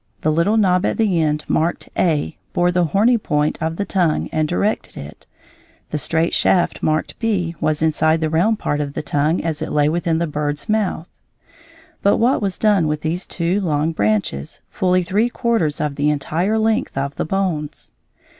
The little knob at the end, marked a, bore the horny point of the tongue and directed it; the straight shaft marked b was inside the round part of the tongue as it lay within the bird's mouth; but what was done with these two long branches, fully three quarters of the entire length of the bones?